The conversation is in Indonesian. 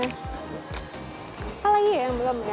apa lagi ya yang belum ya